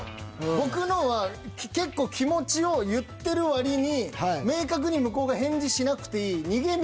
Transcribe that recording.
僕のは結構気持ちを言ってる割に明確に向こうが返事しなくていいええ？